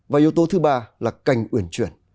và yếu tố thứ ba là cành uyển chuyển